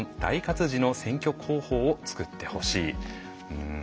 うん。